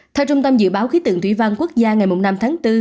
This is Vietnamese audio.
theo trung tâm dự báo khí tượng thủy văn quốc gia ngày năm tháng bốn